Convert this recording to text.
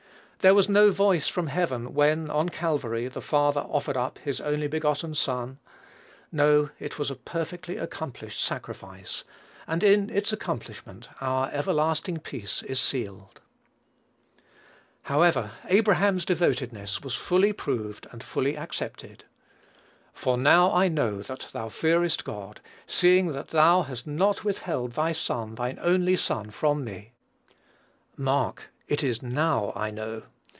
There was no voice from heaven when, on Calvary, the Father offered up his only begotten Son. No, it was a perfectly accomplished sacrifice; and in its accomplishment our everlasting peace is sealed. However, Abraham's devotedness was fully proved and fully accepted. "For now I know that thou fearest God, seeing thou hast not withheld thy son, thine only son, from me." Mark, it is "now I know."